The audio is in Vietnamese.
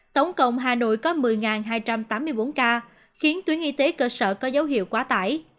tổng cộng hà nội có một mươi hai trăm tám mươi bốn ca khiến tuyến y tế cơ sở có dấu hiệu quá tải